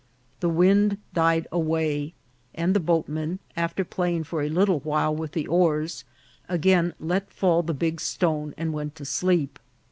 The wind died away, and the boatmen, after playing for a little while with the oars, again let fall the big stone and went to sleep.